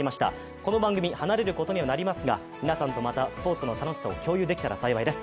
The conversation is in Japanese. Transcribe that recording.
この番組、離れることにはなりますが、皆さんとまたスポーツの楽しさを共有できたら幸いです。